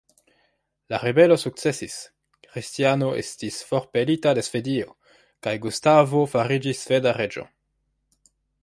La ribelo sukcesis, Kristiano estis forpelita de Svedio, kaj Gustavo fariĝis sveda reĝo.